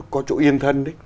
có chỗ yên thân